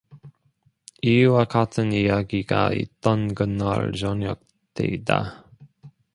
이와 같은 이야기가 있던 그날 저녁 때이다.